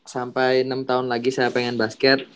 sampai enam tahun lagi saya pengen basket